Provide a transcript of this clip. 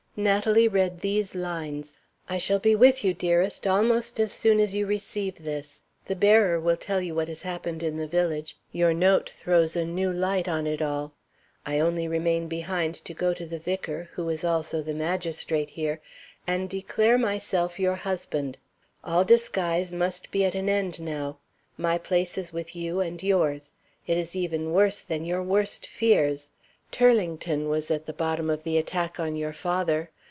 Natalie read these lines: "I shall be with you, dearest, almost as soon as you receive this. The bearer will tell you what has happened in the village your note throws a new light on it all. I only remain behind to go to the vicar (who is also the magistrate here), and declare myself your husband. All disguise must be at an end now. My place is with you and yours. It is even worse than your worst fears. Turlington was at the bottom of the attack on your father.